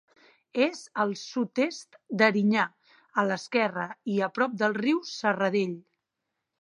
És al sud-est d'Erinyà, a l'esquerra i a prop del riu de Serradell.